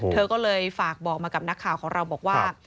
เธอก็เลยฝากบอกมากับนักข่าวของเราบอกว่า